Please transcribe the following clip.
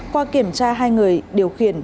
qua kiểm tra hai người điều khiển